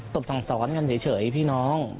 บสั่งสอนกันเฉยพี่น้อง